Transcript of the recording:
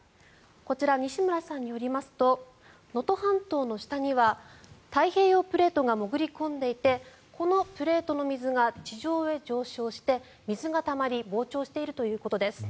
こちら、西村さんによりますと能登半島の下には太平洋プレートが潜り込んでいてこのプレートの水が地上へ上昇して水がたまり膨張しているということです。